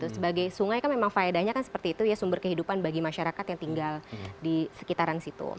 sebagai sungai kan memang faedahnya kan seperti itu ya sumber kehidupan bagi masyarakat yang tinggal di sekitaran situ